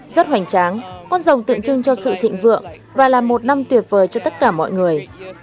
rất hoành tráng con rồng tượng trưng cho sự thịnh vượng và là một năm tuyệt vời cho tất cả mọi người